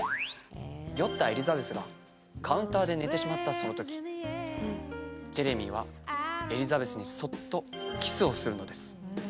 酔ったエリザベスがカウンターで寝てしまったそのときジェレミーはエリザベスにそっとキスをするのです。